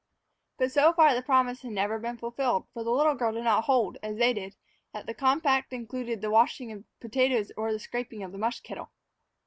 But so far the promise had never been fulfilled, for the little girl did not hold, as they did, that the compact included the washing of potatoes or the scraping of the mush kettle.